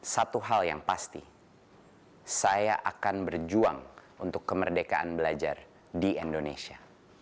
satu hal yang pasti saya akan berjuang untuk kemerdekaan belajar di indonesia